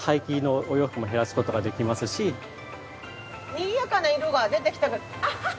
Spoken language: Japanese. にぎやかな色が出てきたけどアハハ！